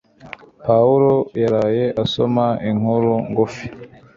Pawulo yaraye asoma inkuru ngufi